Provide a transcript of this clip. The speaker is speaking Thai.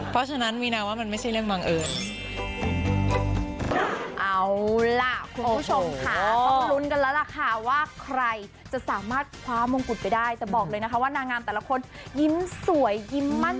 เพราะฉะนั้นวีนาว่ามันไม่ใช่เรื่องบังเอิญ